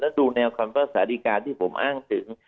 แล้วดูแนวคำว่าสาดิกาที่ผมอ้างถึง